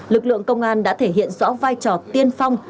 lực lượng công an đã thể hiện rõ vai trò tiên phong